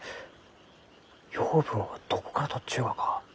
養分はどこからとっちゅうがか？